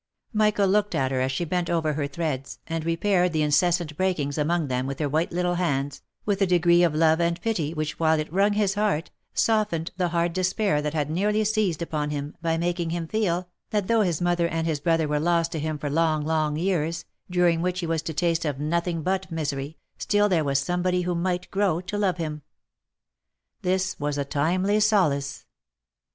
Michael looked at her as she bent over her threads, and repaired the incessant breakings among them with her white little hands, with a degree of love and pity which while it wrung his heart, softened the hard despair that had nearly seized upon him, by making him feel, that though his mother and his brother were lost to him for long long years, during which he was to taste of nothing but misery, still there was somebody who might grow to love him. This was a timely solace!